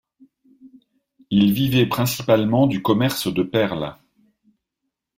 Ils vivaient principalement du commerce de perles.